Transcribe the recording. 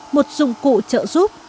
một dụng cụ trợ giúp